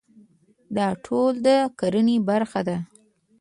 دا ټول د کرنې برخه ده.